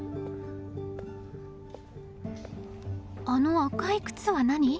あの赤い靴は何？